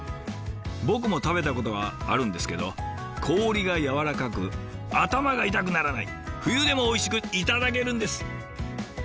僕も食べたことがあるんですけど氷がやわらかく頭が痛くならない冬でもおいしく頂けるんです！